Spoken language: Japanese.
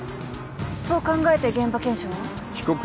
そう考えて現場検証を？